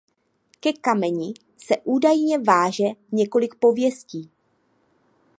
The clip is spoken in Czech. Ke kameni se údajně váže několik pověstí.